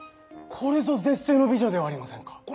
これぞ絶世の美女ではありませんか。